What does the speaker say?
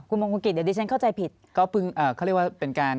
คุณมงคุณกิจเดี๋ยวดิฉันเข้าใจผิดเขาเรียกว่าเป็นการ